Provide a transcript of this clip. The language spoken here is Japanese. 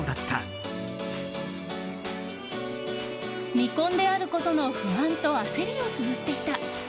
未婚であることの不安と焦りをつづっていた。